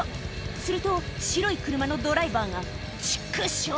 すると、白い車のドライバーが、ちっくしょう！